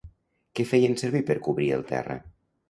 Què feien servir per cobrir el terra?